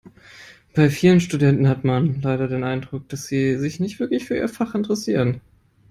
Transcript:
Bei vielen Studenten hat man leider den Eindruck, dass sie sich nicht wirklich für ihr Fach interessieren.